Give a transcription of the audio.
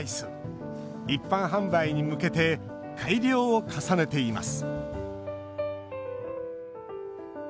一般販売に向けて改良を重ねています